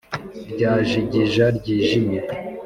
ryajigija ryijimye